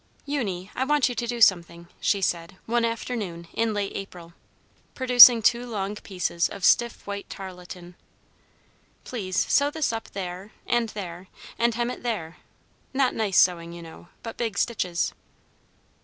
"Eunie, I want you to do something," she said, one afternoon in late April, producing two long pieces of stiff white tarlatan; "please sew this up there and there, and hem it there, not nice sewing, you know, but big stitches."